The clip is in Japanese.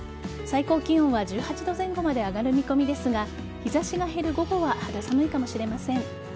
最高気温は１８度前後まで上がる見込みですが日差しが減る午後は肌寒いかもしれません。